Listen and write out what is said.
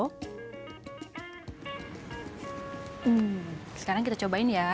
hmm sekarang kita cobain ya